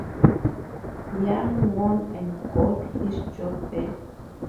Young won and got his job back.